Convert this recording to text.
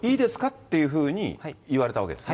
っていうふうに言われたわけですね？